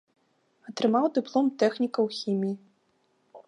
Атрымаў дыплом тэхніка ў хіміі.